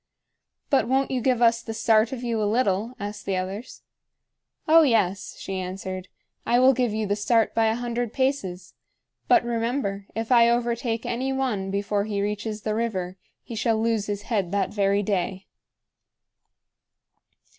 "But won't you give us the start of you a little?" asked the others. "Oh, yes," she answered. "I will give you the start by a hundred paces. But remember, if I overtake any one before he reaches the river, he shall lose his head that very day."